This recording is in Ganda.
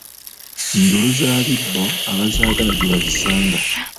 Njulu z’abibbo abazaagala gye bazisanga.